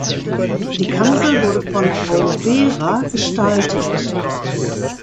Die Kanzel wurde von Auwera gestaltet.